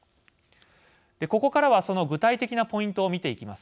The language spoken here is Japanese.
ここからはその具体的なポイントを見ていきます。